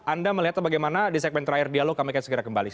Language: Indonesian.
anda melihat bagaimana di segmen terakhir dialog kami akan segera kembali